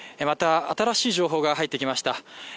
また、新しい情報が入ってきました。